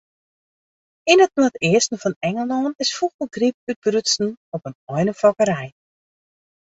Yn it noardeasten fan Ingelân is fûgelgryp útbrutsen op in einefokkerij.